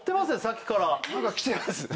さっきから何かきてます